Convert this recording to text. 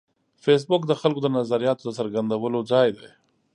فېسبوک د خلکو د نظریاتو د څرګندولو ځای دی